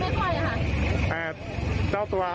แต่เจ้าตัวเขา